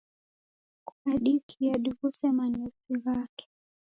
Kukadikia diw'use manosi ghake.